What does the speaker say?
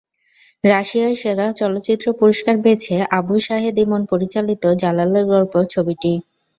রাশিয়ায় সেরা চলচ্চিত্রের পুরস্কার পেয়েছে আবু শাহেদ ইমন পরিচালিত জালালের গল্প ছবিটি।